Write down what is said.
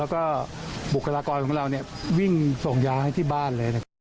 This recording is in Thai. แล้วก็บุคลากรของเรานี่วิ่งส่งย้าให้ที่บ้าน